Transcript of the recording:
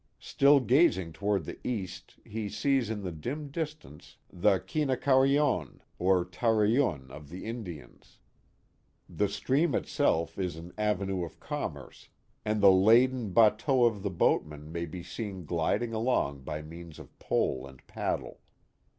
Still gazing toward the east he sees in the dim distance the Kinaquarionc or Towereune of the Indians. Canajoharie — The Hills of Florida 409 The stream itself is an avenue of commerce, and the laden bateaux of the boatman may be seen gliding along by means of pole and paddle.